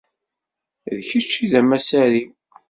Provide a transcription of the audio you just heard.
D kečč i d amassar-iw.